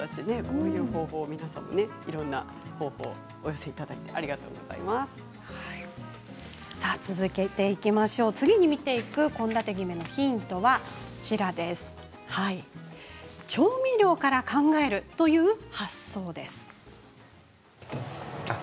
こういう方法、皆さんもいろんな方法をお寄せいただいて次に見ていく献立ぎめのヒントは調味料から考えるという発想です。